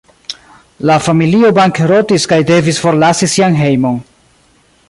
La familio bankrotis kaj devis forlasi sian hejmon.